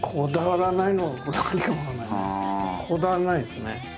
こだわりないですね。